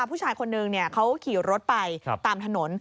ผู้ชายคนนึงเขาขี่รถไปตามถนน